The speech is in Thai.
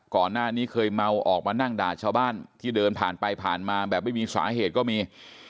ก่อนหน้านี้เคยเมาออกมานั่งด่าชาวบ้านที่เดินผ่านไปผ่านมาแบบไม่มีสาเหตุก็มี